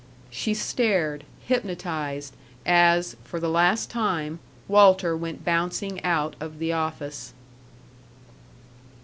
She stared, hypnotized, as, for the last time, Walter went bouncing out of the office.